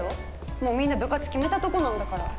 もうみんな部活決めたとこなんだから。